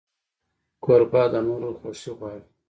کوربه د نورو خوښي غواړي.